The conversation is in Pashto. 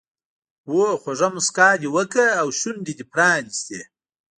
هو خوږه موسکا دې وکړه او شونډې دې پرانیستې.